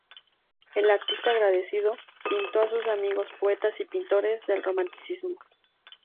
El artista, agradecido, pintó a sus amigos, poetas y pintores del Romanticismo.